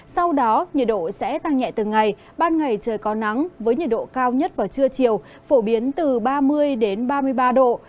sau đó nhiệt độ sẽ tăng nhẹ từng ngày ban ngày trời có nắng với nhiệt độ cao nhất vào trưa chiều phổ biến từ ba mươi ba mươi ba độ